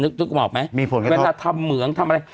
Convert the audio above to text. นึกออกไหมมีผลไหมเวลาทำเหมืองทำอะไร